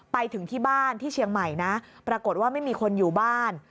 ไปถึงที่บ้านที่เชียงใหม่นะปรากฏว่าไม่มีคนอยู่บ้าน